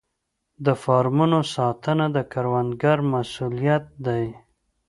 د فارمونو ساتنه د کروندګر مسوولیت دی.